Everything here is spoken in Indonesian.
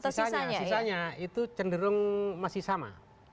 sisanya sisanya itu cenderung masih sama